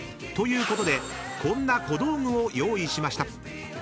［ということでこんな小道具を用意しました］